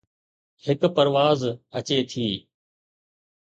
هڪ پرواز اچي ٿي